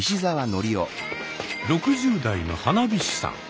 ６０代の花火師さん。